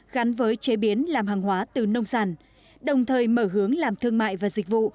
gắn với chế biến làm hàng hóa từ nông sản đồng thời mở hướng làm thương mại và dịch vụ